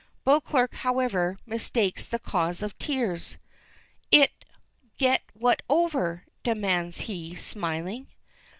Beauclerk, however, mistakes the cause of the tears. "It get what over?" demands he, smiling.